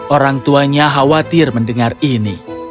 orang tuanya khawatir mendengar ini